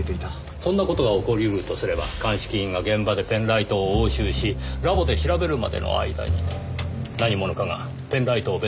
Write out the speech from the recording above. そんな事が起こり得るとすれば鑑識員が現場でペンライトを押収しラボで調べるまでの間に何者かがペンライトを別の物とすり替えた。